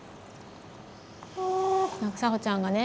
さほちゃんがね